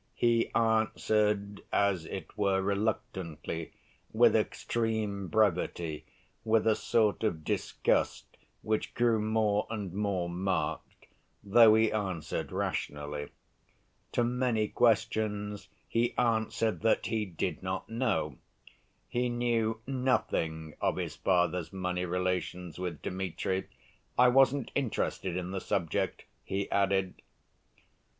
He answered, as it were, reluctantly, with extreme brevity, with a sort of disgust which grew more and more marked, though he answered rationally. To many questions he answered that he did not know. He knew nothing of his father's money relations with Dmitri. "I wasn't interested in the subject," he added.